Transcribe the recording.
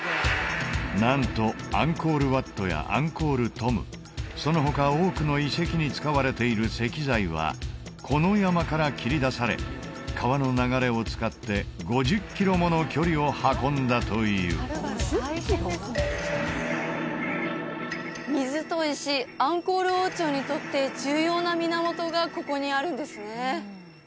なんとアンコール・ワットやアンコール・トムその他多くの遺跡に使われている石材はこの山から切り出され川の流れを使って５０キロもの距離を運んだという水と石アンコール王朝にとって重要な源がここにあるんですね